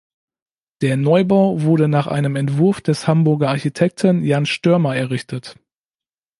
Der Neubau wurde nach einem Entwurf des Hamburger Architekten Jan Störmer errichtet.